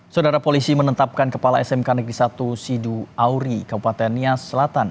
saudara polisi menetapkan kepala smk negeri satu sidu auri kabupaten nias selatan